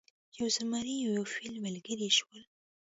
یو زمری او یو فیلی ملګري شول.